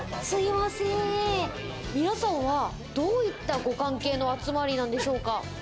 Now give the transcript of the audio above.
皆さんはどういったご関係の集まりなんでしょうか？